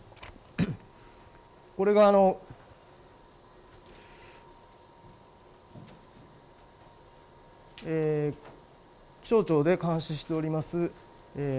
これが気象庁で監視しております